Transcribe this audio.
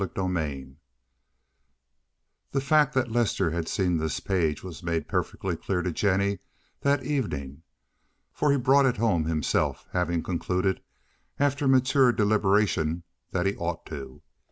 CHAPTER XLII The fact that Lester had seen this page was made perfectly clear to Jennie that evening, for he brought it home himself, having concluded, after mature deliberation, that he ought to.